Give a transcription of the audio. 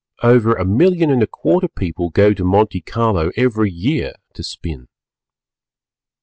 Over a million and a quarter people go to Monte Carlo every year to spin.